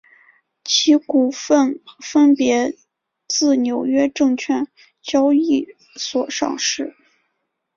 其股份分别自纽约证券交易所上市。